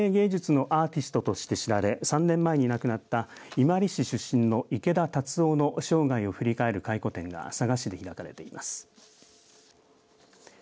前衛芸術のアーティストと知られ３年前に亡くなった伊万里市出身の池田龍雄の生涯を振り返る回顧展が佐賀市で開かれています。